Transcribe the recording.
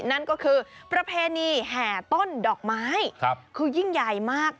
นั่นก็คือประเพณีแห่ต้นดอกไม้คือยิ่งใหญ่มาก